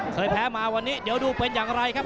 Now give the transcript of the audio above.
เคยแพ้มาวันนี้เดี๋ยวดูเป็นอย่างไรครับ